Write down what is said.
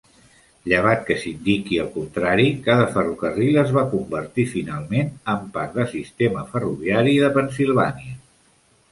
Llevat que s'indiqui el contrari, cada ferrocarril es va convertir finalment en part de sistema ferroviari de Pennsilvània.